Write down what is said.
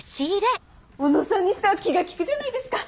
小野さんにしては気が利くじゃないですか！